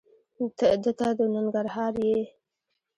دته د ننګرهار یې؟